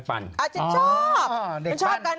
ชอบชอบกัน